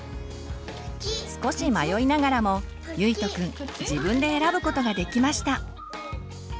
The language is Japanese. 少し迷いながらもゆいとくん自分で選ぶことができました。